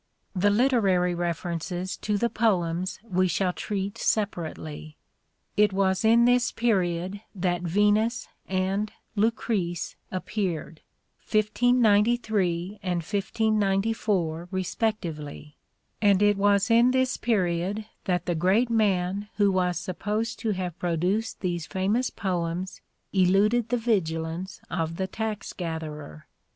The literary references to the poems we shall treat separately. It was in this period that " Venus " and "Lucrece" appeared (1593 and 1594 respectively), and it was in this period that the great man who was supposed to have produced these famous poems eluded the vigilance of the tax gatherer.